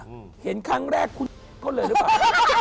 เห็นครั้งแรกคุดเขาเลยหรือเปล่า